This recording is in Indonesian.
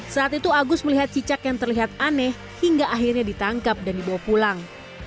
saat itu agus melihat cicak yang terlihat aneh hingga akhirnya ditangkap dan dibawa pulang